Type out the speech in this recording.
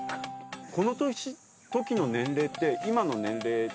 この時の年齢って今の年齢と。